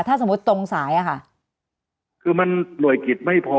ถ้าสมมุติตรงสายอะค่ะคือมันหน่วยกิจไม่พอ